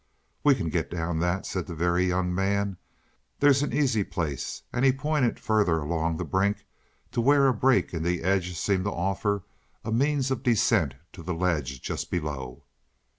"We can get down that," said the Very Young Man. "There's an easy place," and he pointed farther along the brink, to where a break in the edge seemed to offer a means of descent to the ledge just below.